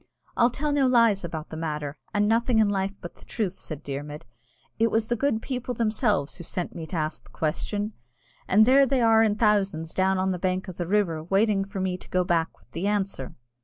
"I'll tell no lies about the matter, and nothing in life but the truth," said Dermod. "It was the good people themselves who sent me to ask the question, and there they are in thousands down on the bank of the river, waiting for me to go back with the answer."